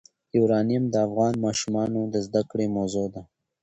یورانیم د افغان ماشومانو د زده کړې موضوع ده.